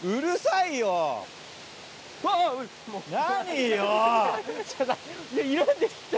いやいるんですって